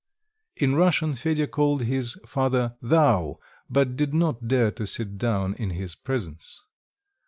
In Russian Fedya called his father thou, but did not dare to sit down in his presence.